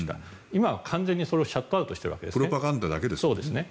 今は完全にシャットアウトしているんですね。